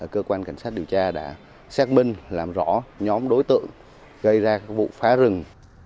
cơ quan cảnh sát điều tra đã xác minh làm rõ nhóm đối tượng gây ra vụ phá rừng